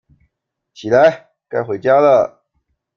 起來，該回家了